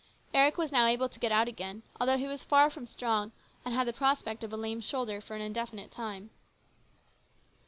Eric was now able to get out again, although he was far from strong and had the prospect of a lame shoulder for an indefinite time.